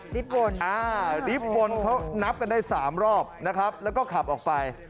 ริฟต์บนอ่าริฟต์บนเขานับกันได้๓รอบนะครับแล้วก็ขับออกไป